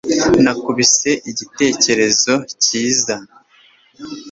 nakubise igitekerezo cyiza